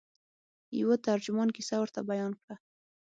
یوه ترجمان کیسه ورته بیان کړه.